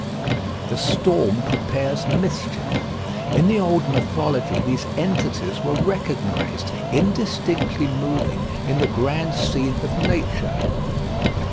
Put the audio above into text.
The storm prepares mischief. In the old mythology these entities were recognised, indistinctly moving, in the grand scene of nature.